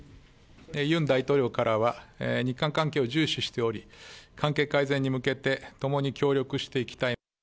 ユン大統領からは、日韓関係を重視しており、関係改善に向けて共に協力していきたい。